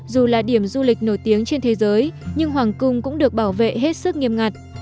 dù là điểm du lịch nổi tiếng trên thế giới nhưng hoàng cung cũng được bảo vệ hết sức nghiêm ngặt